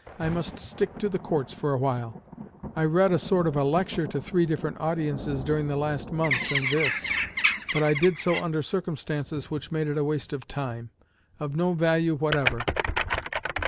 I must stick to the courts for awhile. I read a sort of a lecture to three different audiences during the last month and this; but I did so under circumstances which made it a waste of time, of no value whatever."